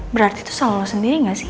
berarti tuh salah lo sendiri nggak sih